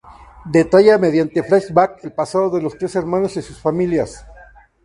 Detalla mediante flashbacks el pasado de los tres hermanos y sus familias.